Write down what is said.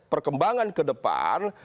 perkembangan ke depan